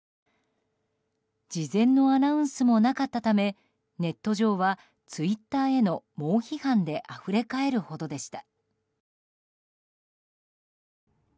事前のアナウンスもなかったためネット上はツイッターへの猛批判であふれ返るほどでした。